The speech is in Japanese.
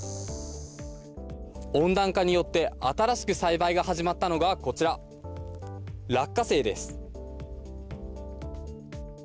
温暖化によって新しく栽培が始まったのがこちら、落花生です。